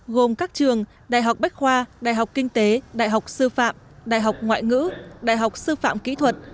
gồm các trường đại học bách khoa đại học kinh tế đại học sư phạm đại học ngoại ngữ đại học sư phạm kỹ thuật